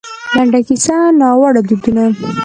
لـنـډه کيـسـه :نـاوړه دودونـه